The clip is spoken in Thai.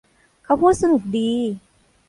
เขาพูดสนุกดี